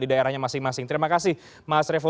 di daerahnya masing masing terima kasih mas revo